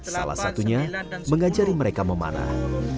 salah satunya mengajari mereka memanah